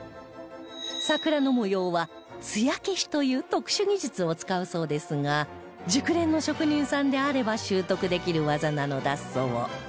桜の模様はつや消しという特殊技術を使うそうですが熟練の職人さんであれば習得できる技なのだそう